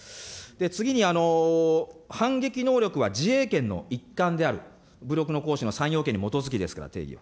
次に、反撃能力は自衛権の一環である、武力の行使の３要件に基づきですから、定義。